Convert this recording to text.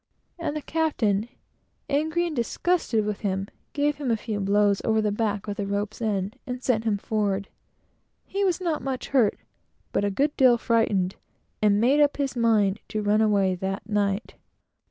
and the captain, angry with him, and disgusted with his cowardice, gave him a few blows over the back with a rope's end and sent him forward. He was not much hurt, but a good deal frightened, and made up his mind to run away that very night.